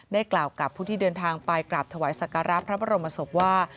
กล่าวกับผู้ที่เดินทางไปกราบถวายสักการะพระบรมศพว่า